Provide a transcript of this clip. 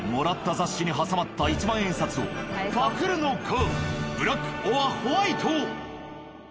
雑誌に挟まった１万円札をパクるのか？